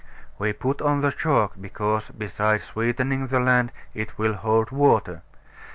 We put on the chalk because, beside sweetening the land, it will hold water.